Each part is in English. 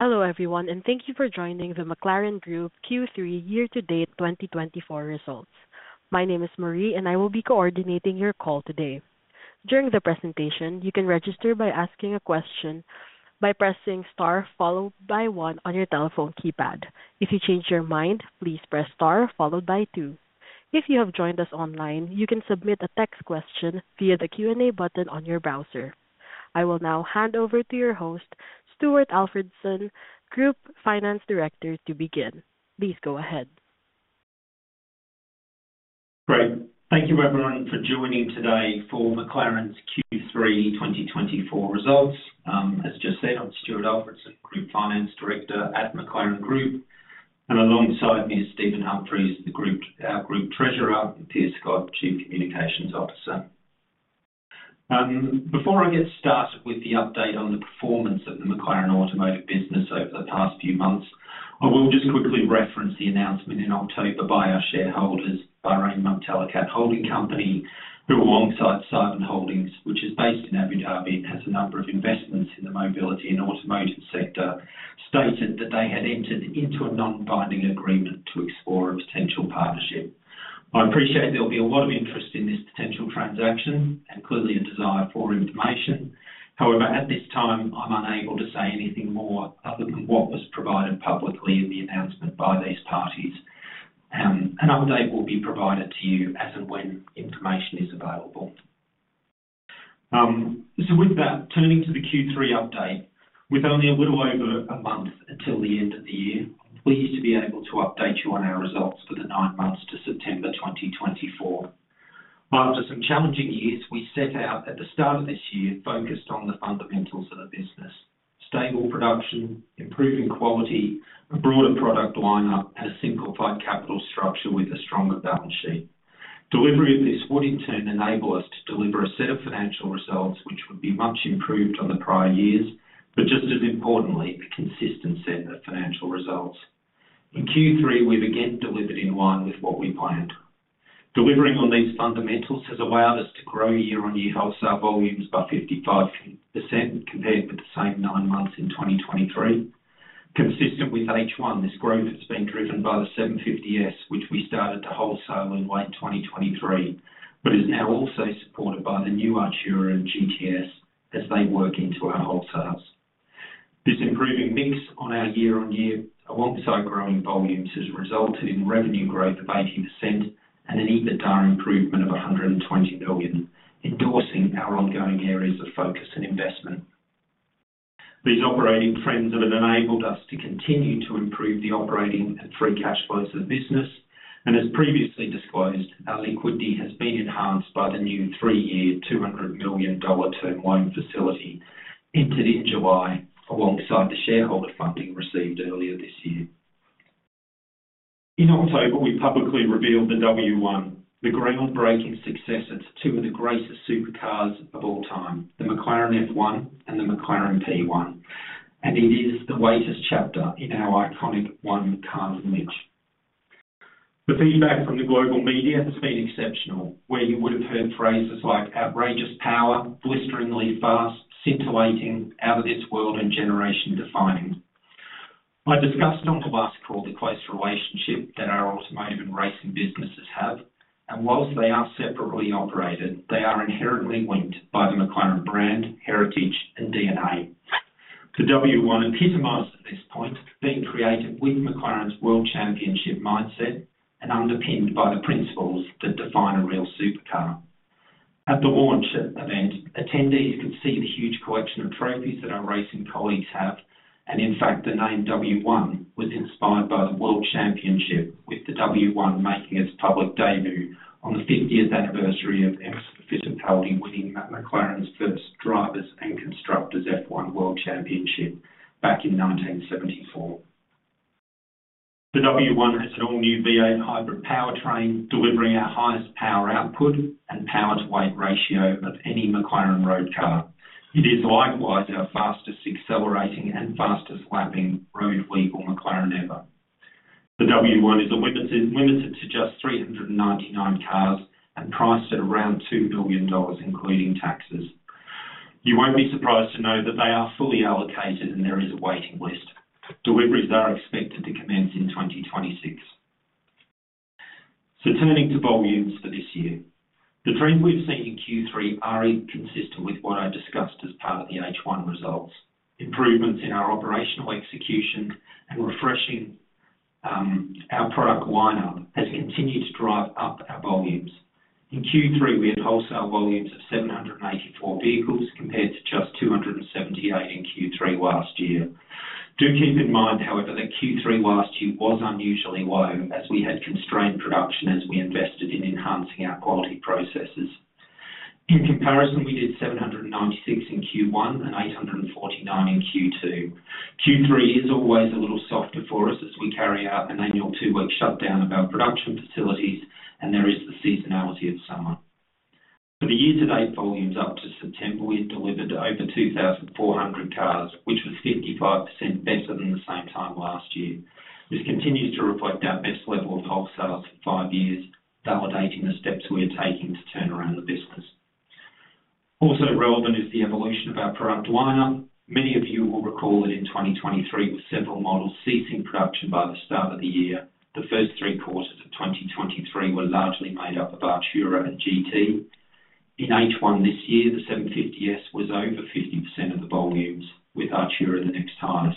Hello, everyone, and thank you for joining the McLaren Group Q3 Year-to-Date 2024 results. My name is Marie, and I will be coordinating your call today. During the presentation, you can register by asking a question by pressing star followed by one on your telephone keypad. If you change your mind, please press star followed by two. If you have joined us online, you can submit a text question via the Q&A button on your browser. I will now hand over to your host, Stuart Alfredson, Group Finance Director, to begin. Please go ahead. Great. Thank you, everyone, for joining today for McLaren's Q3 2024 results. As just said, I'm Stuart Alfredson, Group Finance Director at McLaren Group, and alongside me is Steve Humphreys, our Group Treasurer, and Piers Scott, Chief Communications Officer. Before I get started with the update on the performance of the McLaren automotive business over the past few months, I will just quickly reference the announcement in October by our shareholders, our own Mumtalakat Holding Company, who, alongside CYVN Holdings, which is based in Abu Dhabi and has a number of investments in the mobility and automotive sector, stated that they had entered into a non-binding agreement to explore a potential partnership. I appreciate there'll be a lot of interest in this potential transaction and clearly a desire for information. However, at this time, I'm unable to say anything more other than what was provided publicly in the announcement by these parties, and an update will be provided to you as and when information is available. So, with that, turning to the Q3 update, with only a little over a month until the end of the year, we're pleased to be able to update you on our results for the nine months to September 2024. After some challenging years, we set out at the start of this year focused on the fundamentals of the business: stable production, improving quality, a broader product lineup, and a simplified capital structure with a stronger balance sheet. Delivery of this would, in turn, enable us to deliver a set of financial results which would be much improved on the prior years, but just as importantly, a consistent set of financial results. In Q3, we've again delivered in line with what we planned. Delivering on these fundamentals has allowed us to grow year-on-year wholesale volumes by 55% compared with the same nine months in 2023. Consistent with H1, this growth has been driven by the 750S, which we started to wholesale in late 2023, but is now also supported by the new Artura and GTS as they work into our wholesales. This improving mix on our year-on-year, alongside growing volumes, has resulted in revenue growth of 80% and an EBITDA improvement of 120 million, endorsing our ongoing areas of focus and investment. These operating trends have enabled us to continue to improve the operating and free cash flows of the business, and as previously disclosed, our liquidity has been enhanced by the new three-year $200 million term loan facility entered in July, alongside the shareholder funding received earlier this year. In October, we publicly revealed the W1, the groundbreaking successor to two of the greatest supercars of all time, the McLaren F1 and the McLaren P1, and it is the latest chapter in our iconic one-car lineage. The feedback from the global media has been exceptional, where you would have heard phrases like "outrageous power," "blisteringly fast," "scintillating," "out of this world," and "generation-defining." I discussed and will ask for the close relationship that our automotive and racing businesses have, and whilst they are separately operated, they are inherently linked by the McLaren brand, heritage, and DNA. The W1 epitomized the pinnacle being created with McLaren's world championship mindset and underpinned by the principles that define a real supercar. At the W1 launch event, attendees could see the huge collection of trophies that our racing colleagues have, and in fact, the name W1 was inspired by the world championship, with the W1 making its public debut on the 50th anniversary of McLaren's first Drivers and Constructors F1 World Championship back in 1974. The W1 has an all-new V8 hybrid powertrain, delivering our highest power output and power-to-weight ratio of any McLaren road car. It is likewise our fastest accelerating and fastest lapping road-legal McLaren ever. The W1 is limited to just 399 cars and priced at around $2 million, including taxes. You won't be surprised to know that they are fully allocated and there is a waiting list. Deliveries are expected to commence in 2026. Turning to volumes for this year, the trends we've seen in Q3 are consistent with what I discussed as part of the H1 results. Improvements in our operational execution and refreshing our product lineup has continued to drive up our volumes. In Q3, we had wholesale volumes of 784 vehicles compared to just 278 in Q3 last year. Do keep in mind, however, that Q3 last year was unusually low as we had constrained production as we invested in enhancing our quality processes. In comparison, we did 796 in Q1 and 849 in Q2. Q3 is always a little softer for us as we carry out an annual two-week shutdown of our production facilities, and there is the seasonality of summer. For the year-to-date volumes up to September, we had delivered over 2,400 cars, which was 55% better than the same time last year. This continues to reflect our best level of wholesale volumes for five years, validating the steps we are taking to turn around the business. Also relevant is the evolution of our product lineup. Many of you will recall that in 2023, with several models ceasing production by the start of the year, the first three quarters of 2023 were largely made up of Artura and GT. In H1 this year, the 750S was over 50% of the volumes, with Artura the next highest.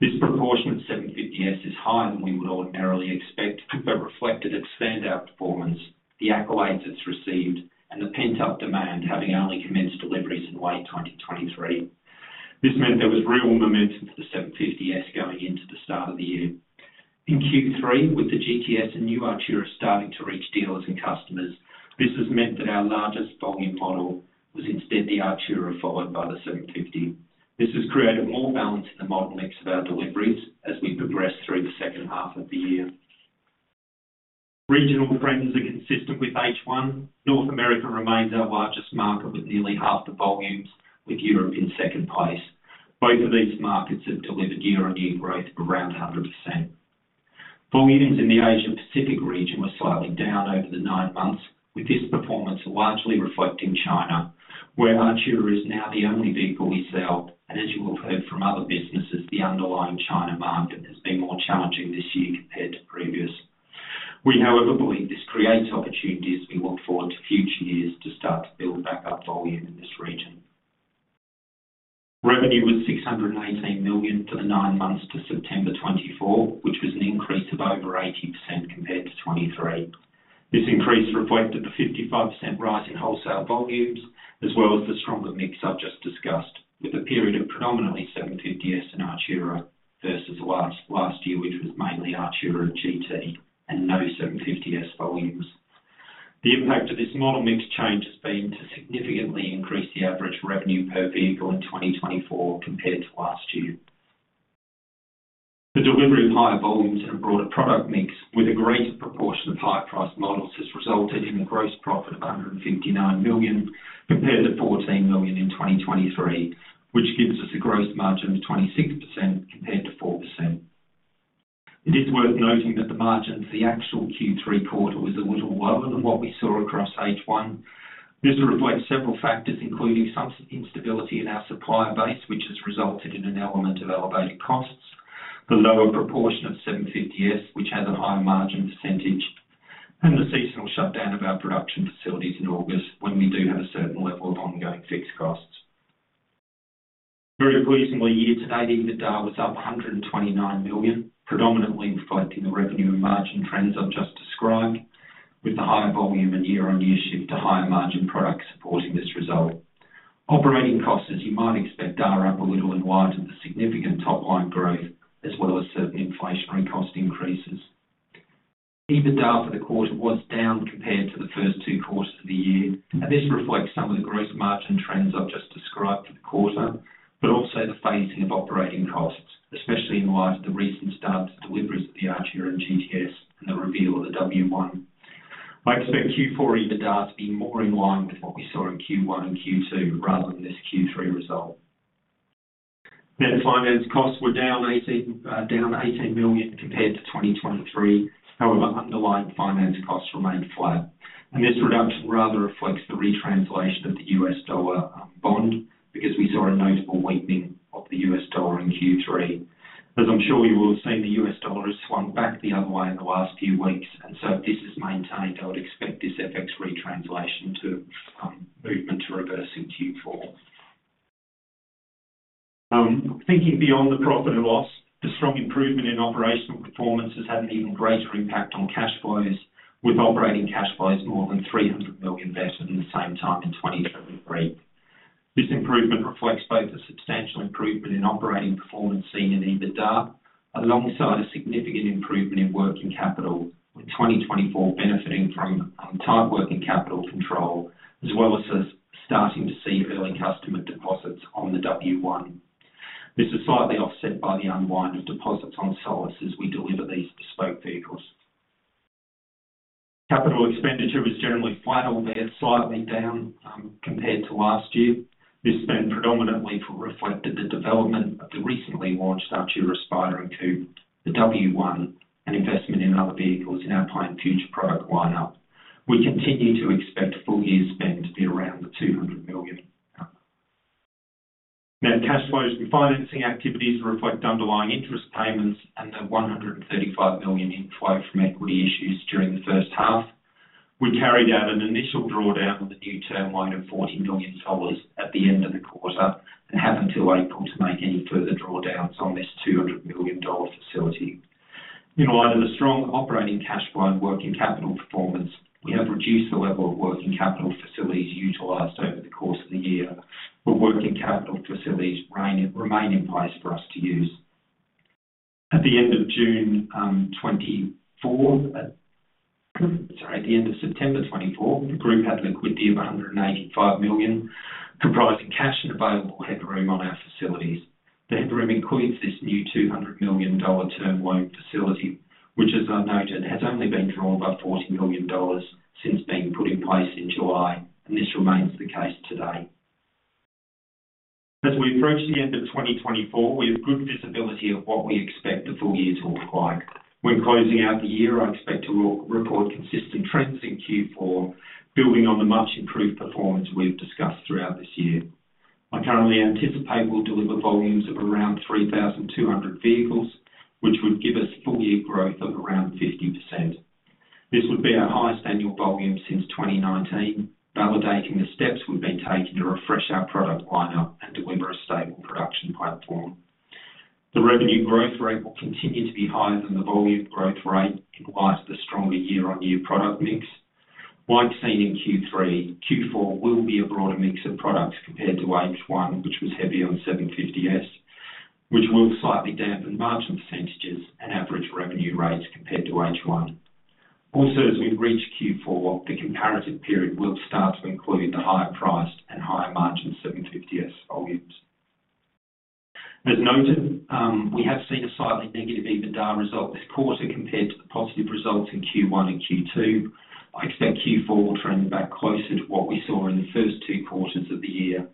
This proportion of 750S is higher than we would ordinarily expect but reflected its standout performance, the accolades it's received, and the pent-up demand having only commenced deliveries in late 2023. This meant there was real momentum for the 750S going into the start of the year. In Q3, with the GTS and new Artura starting to reach dealers and customers, this has meant that our largest volume model was instead the Artura, followed by the 750S. This has created more balance in the model mix of our deliveries as we progress through the second half of the year. Regional trends are consistent with H1. North America remains our largest market with nearly half the volumes, with Europe in second place. Both of these markets have delivered year-on-year growth of around 100%. Volumes in the Asia-Pacific region were slightly down over the nine months, with this performance largely reflecting China, where Artura is now the only vehicle we sell, and as you will have heard from other businesses, the underlying China market has been more challenging this year compared to previous. We, however, believe this creates opportunities as we look forward to future years to start to build back up volume in this region. Revenue was 618 million for the nine months to September 2024, which was an increase of over 80% compared to 2023. This increase reflected the 55% rise in wholesale volumes, as well as the stronger mix I've just discussed, with a period of predominantly 750S and Artura versus last year, which was mainly Artura and GT and no 750S volumes. The impact of this model mix change has been to significantly increase the average revenue per vehicle in 2024 compared to last year. The delivery of higher volumes and a broader product mix with a greater proportion of high-priced models has resulted in a gross profit of 159 million compared to 14 million in 2023, which gives us a gross margin of 26% compared to 4%. It is worth noting that the margin for the actual Q3 quarter was a little lower than what we saw across H1. This reflects several factors, including some instability in our supplier base, which has resulted in an element of elevated costs, the lower proportion of 750S, which has a higher margin percentage, and the seasonal shutdown of our production facilities in August when we do have a certain level of ongoing fixed costs. Very pleasingly, year-to-date, EBITDA was up 129 million, predominantly reflecting the revenue and margin trends I've just described, with the higher volume and year-on-year shift to higher margin products supporting this result. Operating costs, as you might expect, are up a little in light of the significant top-line growth, as well as certain inflationary cost increases. EBITDA for the quarter was down compared to the first two quarters of the year, and this reflects some of the gross margin trends I've just described for the quarter, but also the phasing of operating costs, especially in light of the recent start to deliveries of the Artura and GTS and the reveal of the W1. I expect Q4 EBITDA to be more in line with what we saw in Q1 and Q2 rather than this Q3 result. Net finance costs were down 18 million compared to 2023. However, underlying finance costs remained flat, and this reduction rather reflects the retranslation of the U.S. dollar bond because we saw a notable weakening of the U.S. dollar in Q3. As I'm sure you will have seen, the U.S. dollar has swung back the other way in the last few weeks, and so if this is maintained, I would expect this FX retranslation to move into reverse in Q4. Thinking beyond the profit and loss, the strong improvement in operational performance has had an even greater impact on cash flows, with operating cash flows more than 300 million better than the same time in 2023. This improvement reflects both a substantial improvement in operating performance seen in EBITDA, alongside a significant improvement in working capital, with 2024 benefiting from tight working capital control, as well as starting to see early customer deposits on the W1. This is slightly offset by the unwind of deposits on Solus as we deliver these bespoke vehicles. Capital expenditure was generally flat, albeit slightly down compared to last year. This spend predominantly reflected the development of the recently launched Artura Spider and Coupe, the W1, and investment in other vehicles in our planned future product lineup. We continue to expect full-year spend to be around GBP 200 million. Now, cash flows from financing activities reflect underlying interest payments and the 135 million inflow from equity issues during the first half. We carried out an initial drawdown of the new term loan of $40 million at the end of the quarter and have until April to make any further drawdowns on this $200 million facility. In light of the strong operating cash flow and working capital performance, we have reduced the level of working capital facilities utilized over the course of the year, but working capital facilities remain in place for us to use. At the end of June 2024, sorry, at the end of September 2024, the group had a liquidity of 185 million, comprising cash and available headroom on our facilities. The headroom includes this new $200 million term loan facility, which, as I noted, has only been drawn by $40 million since being put in place in July, and this remains the case today. As we approach the end of 2024, we have good visibility of what we expect the full year to look like. When closing out the year, I expect to report consistent trends in Q4, building on the much-improved performance we've discussed throughout this year. I currently anticipate we'll deliver volumes of around 3,200 vehicles, which would give us full-year growth of around 50%. This would be our highest annual volume since 2019, validating the steps we've been taking to refresh our product lineup and deliver a stable production platform. The revenue growth rate will continue to be higher than the volume growth rate in light of the stronger year-on-year product mix. Like seen in Q3, Q4 will be a broader mix of products compared to H1, which was heavy on 750S, which will slightly dampen margin percentages and average revenue rates compared to H1. Also, as we've reached Q4, the comparative period will start to include the higher-priced and higher-margin 750S volumes. As noted, we have seen a slightly negative EBITDA result this quarter compared to the positive results in Q1 and Q2. I expect Q4 will trend back closer to what we saw in the first two quarters of the year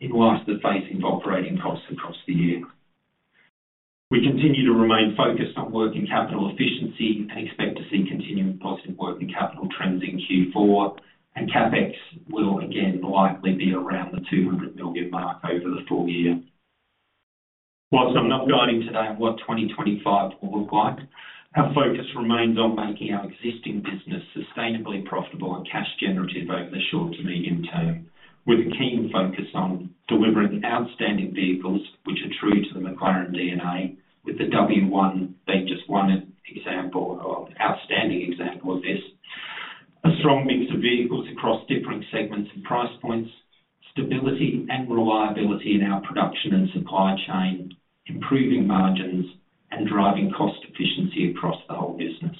in light of the phasing of operating costs across the year. We continue to remain focused on working capital efficiency and expect to see continuing positive working capital trends in Q4, and CapEx will again likely be around the 200 million mark over the full year. While I'm not guiding today on what 2025 will look like, our focus remains on making our existing business sustainably profitable and cash-generative over the short to medium term, with a keen focus on delivering outstanding vehicles, which are true to the McLaren DNA, with the W1 being just one outstanding example of this, a strong mix of vehicles across differing segments and price points, stability and reliability in our production and supply chain, improving margins, and driving cost efficiency across the whole business.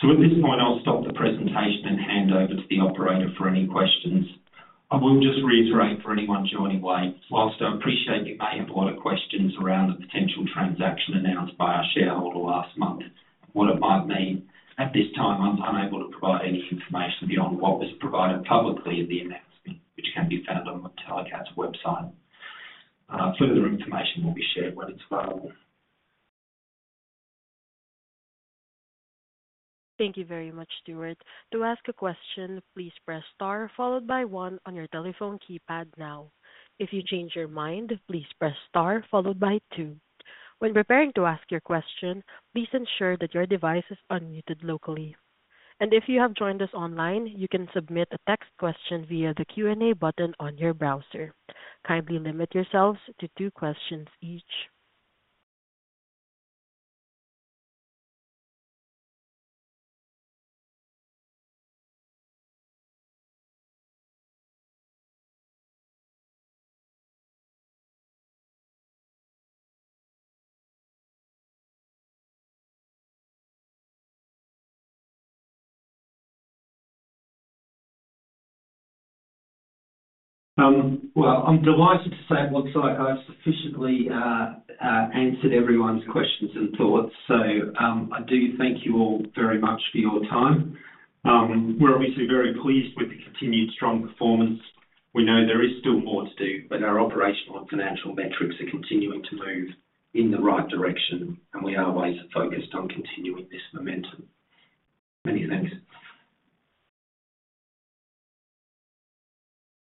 So at this point, I'll stop the presentation and hand over to the operator for any questions. I will just reiterate for anyone joining late, whilst I appreciate you may have a lot of questions around the potential transaction announced by our shareholder last month, what it might mean. At this time, I'm unable to provide any information beyond what was provided publicly in the announcement, which can be found on McLaren's website. Further information will be shared when it's available. Thank you very much, Stuart. To ask a question, please press star followed by one on your telephone keypad now. If you change your mind, please press star followed by two. When preparing to ask your question, please ensure that your device is unmuted locally. If you have joined us online, you can submit a text question via the Q&A button on your browser. Kindly limit yourselves to two questions each. I'm delighted to say it looks like I've sufficiently answered everyone's questions and thoughts. So I do thank you all very much for your time. We're obviously very pleased with the continued strong performance. We know there is still more to do, but our operational and financial metrics are continuing to move in the right direction, and we are always focused on continuing this momentum. Many thanks.